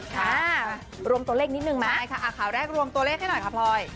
ค่ะรวมตัวเลขนิดนึงไหมใช่ค่ะข่าวแรกรวมตัวเลขให้หน่อยค่ะพลอย